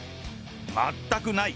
全くない。